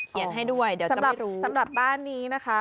เขียนให้ด้วยเดี๋ยวจะไม่รู้สำหรับบ้านนี้นะคะ